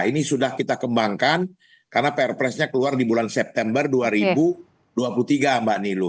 ini sudah kita kembangkan karena perpresnya keluar di bulan september dua ribu dua puluh tiga mbak nilu